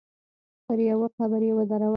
پر يوه قبر يې ودرولم.